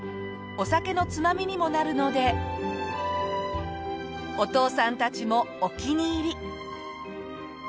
お酒のつまみにもなるのでお父さんたちもお気に入り。